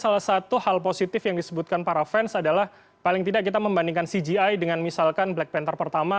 salah satu hal positif yang disebutkan para fans adalah paling tidak kita membandingkan cgi dengan misalkan black panther pertama